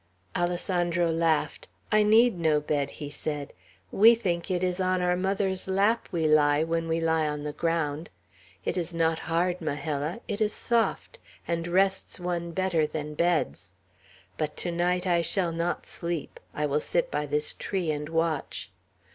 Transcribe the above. Alessandro laughed. "I need no bed," he said. "We think it is on our mother's lap we lie, when we lie on the ground. It is not hard, Majella. It is soft, and rests one better than beds. But to night I shall not sleep. I will sit by this tree and watch."